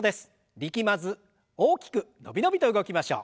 力まず大きく伸び伸びと動きましょう。